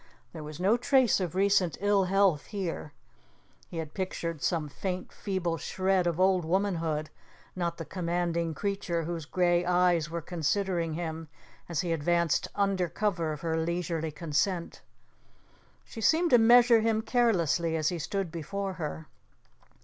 There was no trace of recent ill health here. He had pictured some faint, feeble shred of old womanhood, not the commanding creature whose grey eyes were considering him as he advanced under cover of her leisurely consent. She seemed to measure him carelessly as he stood before her.